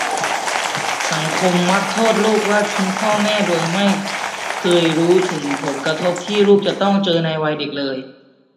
สังคมมักโทษลูกว่าทิ้งพ่อแม่ โดยไม่เคยรู้ถึงผลกระทบที่ลูกจะต้องเจอในวัยเด็กเลย